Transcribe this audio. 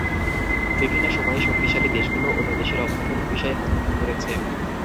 বিভিন্ন সময়ে শক্তিশালী দেশগুলো অন্য দেশের অভ্যন্তরীণ বিষয়ে হস্তক্ষেপ করেছে।